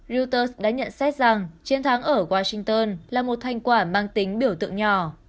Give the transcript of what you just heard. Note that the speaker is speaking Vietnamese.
reuters đã nhận xét rằng chiến thắng ở washington là một thành quả mang tính biểu tượng nhỏ